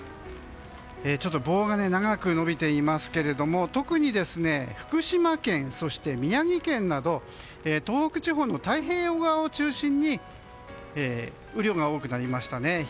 棒が長く伸びていますけど特に福島県、そして宮城県など東北地方の太平洋側を中心に雨量が多くなりました。